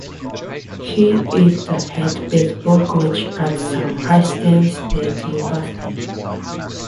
He is the head baseball coach at Sam Houston State University.